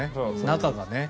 中がね。